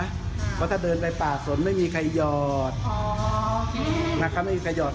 เพราะถ้าเดินไปป่าสนไม่มีใครหยอดนะครับไม่มีใครหอด